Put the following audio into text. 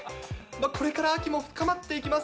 これから秋も深まっていきます。